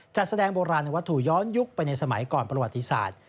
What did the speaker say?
จัดแสดงโบราณวัตถุย้อนยุคไปในสมัยก่อนประวัติศาสตร์